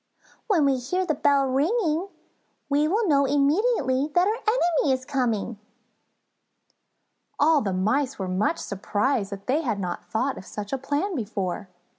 When we hear the bell ringing we will know immediately that our enemy is coming." All the Mice were much surprised that they had not thought of such a plan before.